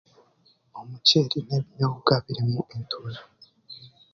Omuceeri n'ebinyoobwa birimu entura